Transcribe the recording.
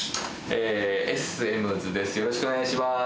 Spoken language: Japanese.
ねっよろしくお願いします